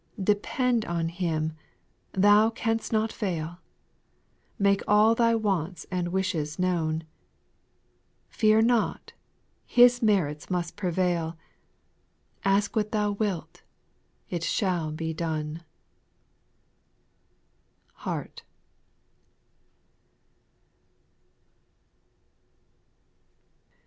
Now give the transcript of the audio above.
6. Depend on Him, thou canst not fail ; Make all thy wants and wishes known ; Fear not. His merits must prevail ; Ask what thou wLH, it shall be done. HART.